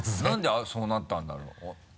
何でそうなったんだろう？